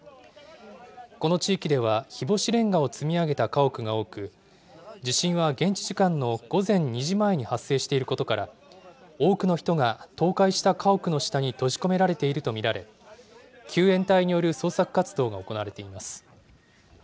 この地域では、日干しれんがを積み上げた家屋が多く、地震は現地時間の午前２時前に発生していることから、多くの人が倒壊した家屋の下に閉じ込められていると見られ、救援隊による捜索活動が行われています。